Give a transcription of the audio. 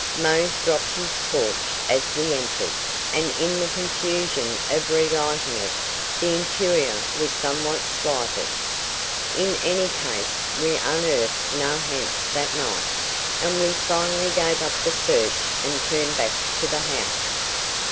Mose dropped his torch as we entered, and in the confusion of relighting it, the interior was somewhat slighted. In any case we unearthed no ha'nt that night; and we finally gave up the search and turned back to the house.